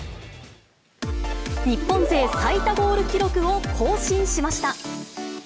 日本勢最多ゴール記録を更新しました。